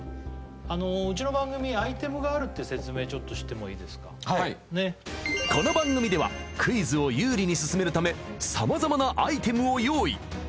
あのうちの番組アイテムがあるって説明ちょっとしてもいいですかはいこの番組ではクイズを有利に進めるため様々なアイテムを用意